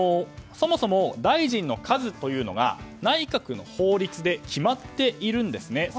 そもそも大臣の数というのが内閣の法律で決まっているんですね。